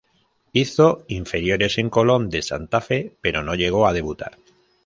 Hizo inferiores en Colón de Santa Fe, pero no llegó a debutar.